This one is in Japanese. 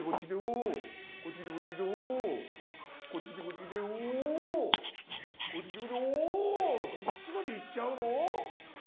おそっちまで行っちゃうの？